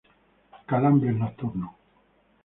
Calambres nocturnos.